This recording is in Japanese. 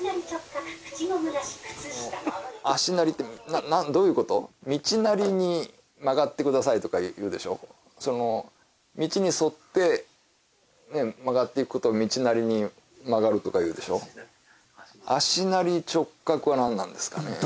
直角口ゴムなし靴下「足なり」ってどういうこと？とか言うでしょその道に沿って曲がっていくことを道なりに曲がるとか言うでしょ「足なり直角」は何なんですかね